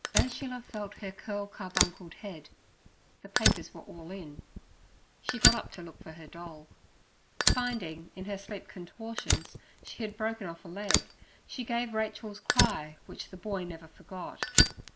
Ursula felt her curl carbuncled head; the papers were all in; she got up to look for her doll. Finding in her sleep contortions she had broken off a leg, she gave Rachel's cry which the boy never forgot.